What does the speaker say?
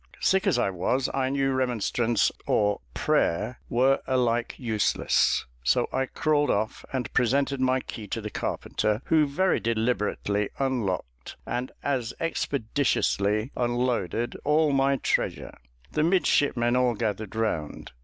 Sick as I was, I knew remonstrance or prayer were alike useless, so I crawled off and presented my key to the carpenter, who very deliberately unlocked, and as expeditiously unloaded all my treasure. The midshipmen all gathered round.